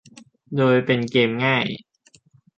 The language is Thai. โดยเป็นเกมง่าย